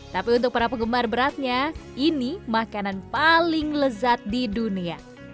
tapi untuk para penggemar beratnya ini makanan paling lezat di dunia